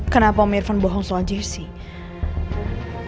kenapa om irfan bohong saja sih